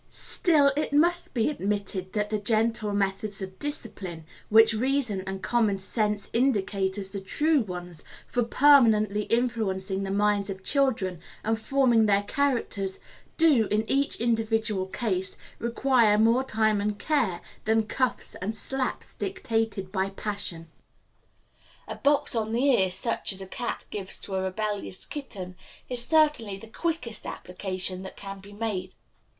Still it must be admitted that the gentle methods of discipline, which reason and common sense indicate as the true ones for permanently influencing the minds of children and forming their characters, do, in each individual case, require more time and care than the cuffs and slaps dictated by passion. A box on the ear, such as a cat gives to a rebellious kitten, is certainly the quickest application that can be made.